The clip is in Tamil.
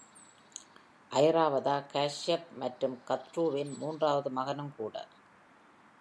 ஐராவதா காஷ்யப் மற்றும் கத்ருவின் மூன்றாவது மகனும் கூட.